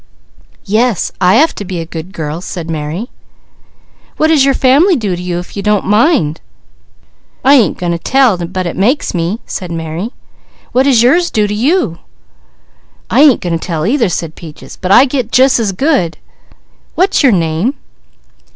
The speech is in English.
"Yes, I have to be a good girl," said Mary. "What does your family do to you if you don't mind?" "I ain't going to tell, but it makes me," said Mary. "What does yours do to you?" "I ain't going to tell either," said Peaches, "but I get jus' as good! What's your name?"